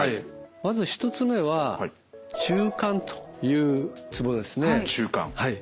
まず１つ目は中というツボですねはい。